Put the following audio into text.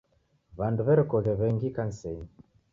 W'andu w'erekoghe w'engi ikanisenyi.